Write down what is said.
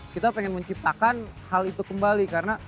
kita pengen menciptakan hal itu kembali karena